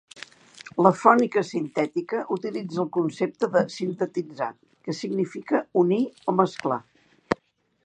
La fònica sintètica utilitza el concepte de "sintetitzar", que significa "unir" o "mesclar".